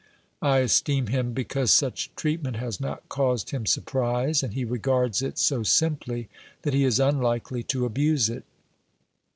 I esteem him because such treatment has not caused him surprise, and he regards it so simply that he is unlikely to abuse it.